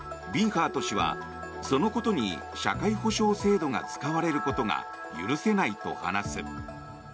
ハート氏はそのことに社会保障制度が使われることが許せないと話す。